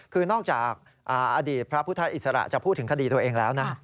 คือนอกจากอดีตพระพุทธอิสระจะพูดถึงคดีตัวเองแล้วนะ